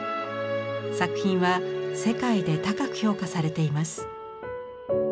作品は世界で高く評価されています。